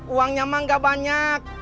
uangnya mah nggak banyak